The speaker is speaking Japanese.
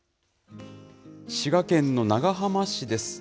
滋賀県の長浜市です。